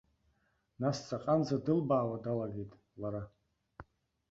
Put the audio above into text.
Нас, ҵаҟанӡа дылбаауа далагеит, лара.